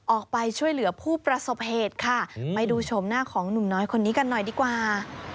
ออกไปช่วยเหลือผู้ประสบเหตุค่ะไปดูชมหน้าของหนุ่มน้อยคนนี้กันหน่อยดีกว่า